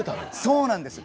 そうなんです。